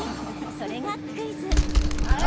それが、クイズ。